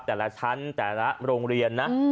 แต่ละชั้นแต่ละโรงเรียนนะ